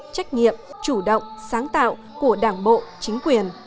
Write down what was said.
trách nhiệm chủ động sáng tạo của đảng bộ chính quyền